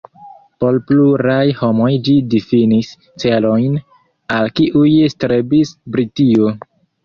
Por pluraj homoj ĝi difinis celojn al kiuj strebis Britio.